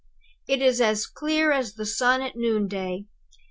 It is as clear as the sun at noonday.